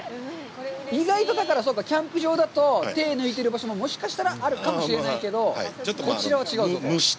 意外と、そうか、キャンプ場だと、手を抜いてる場所ももしかしたらあるかもしれないけど、こちらは違うと。